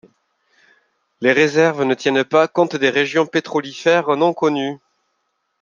Les réserves ne tiennent pas compte des régions pétrolifères non connues.